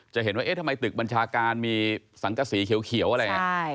จะเห็นว่าเอ๊ะทำไมตึกบัญชาการมีสังกษีเขียวอะไรอย่างนี้